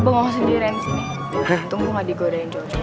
mau sedirain sini tunggu gak digodain jojo